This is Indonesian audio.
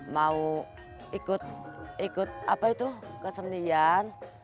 mau ikut apa itu kesenian